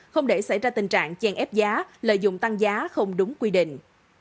không để xảy ra tình trạng chèn ép giá lợi dụng tăng giá không đúng quy định